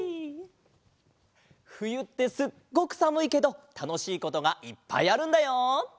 ふゆってすっごくさむいけどたのしいことがいっぱいあるんだよ。